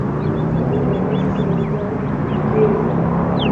هګۍ د وریجو سره یو ځای کېږي.